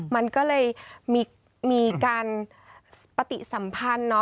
มันก็เลยมีการปฏิสัมพันธ์